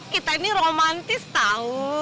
kita ini romantis tahu